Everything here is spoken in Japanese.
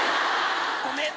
ごめん！